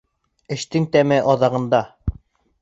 Эштең тәме аҙағында.